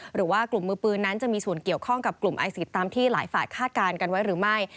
หรือว่ากลุ่มมือปืนนั้นจะมีส่วนเกี่ยวข้องกับกลุ่มไอซิสตามที่หลายฝ่ายคาดการณ์กันไว้หรือไม่